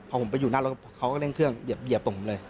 พอผมไปอยู่หน้ารถเขาก็เร่งเครื่องเหยียบตรงผมเลย